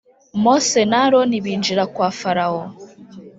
Mose na Aroni binjira kwa Farawo